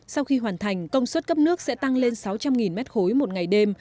sau khi hoàn thành công suất cấp nước sẽ tăng lên sáu trăm linh m ba một ngày đêm